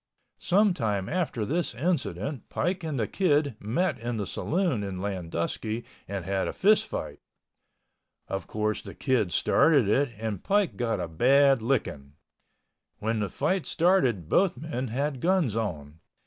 Some time after this incident Pike and the Kid met in the saloon in Landusky and had a fist fight. Of course the Kid started it and Pike got a bad licking. When the fight started both men had guns on.